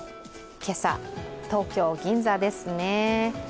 今朝、東京・銀座ですね。